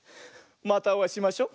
またおあいしましょ。